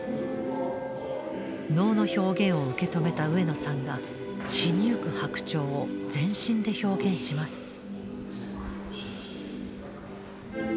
能の表現を受け止めた上野さんが死にゆく白鳥を全身で表現します。